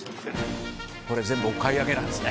これ全部お買い上げなんですね」